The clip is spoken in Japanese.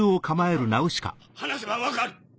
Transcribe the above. は話せば分かる！